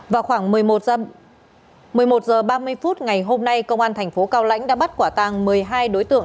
vào khoảng một mươi một h ba mươi phút ngày hôm nay công an thành phố cao lánh đã bắt quả tang một mươi hai đối tượng